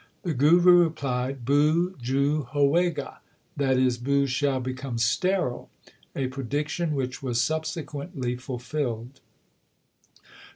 The Guru replied, Buh juh howega, that is, Buh shall become sterile/ a prediction which was subsequently fulfilled.